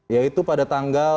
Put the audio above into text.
yaitu pada tanggal